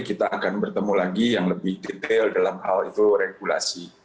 kita akan bertemu lagi yang lebih detail dalam hal itu regulasi